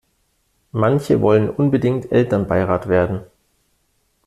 Manche wollen unbedingt Elternbeirat werden.